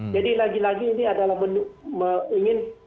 jadi lagi lagi ini adalah menunggu